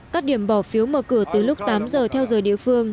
các điểm bỏ phiếu mở cửa từ lúc tám giờ theo giờ địa phương